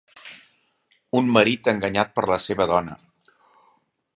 Un marit enganyat per la seva dona.